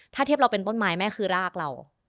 ถ้าเทียบเราเป็นต้นไม้แม่คือรากเรา